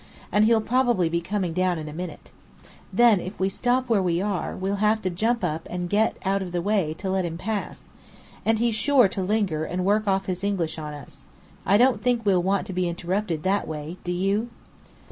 and he'll probably be coming down in a minute. Then, if we stop where we are, we'll have to jump up and get out of the way, to let him pass. And he's sure to linger and work off his English on us. I don't think we'll want to be interrupted that way, do you?"